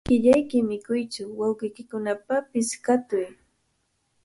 Kikillayki mikuytsu, wawqiykipaqpish katuy.